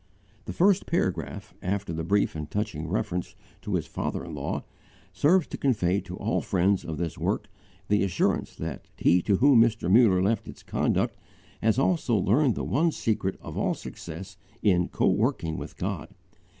The first paragraph, after the brief and touching reference to his father in law, serves to convey to all friends of this work the assurance that he to whom Mr. Muller left its conduct has also learned the one secret of all success in coworking with God.